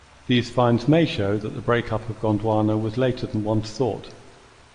These finds may show that the breakup of Gondwana was later than once thought.